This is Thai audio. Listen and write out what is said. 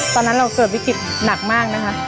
ตอนนั้นเราเกิดวิกฤตหนักมากนะคะ